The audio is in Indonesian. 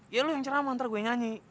iya lo yang ceramah ntar gue nyanyi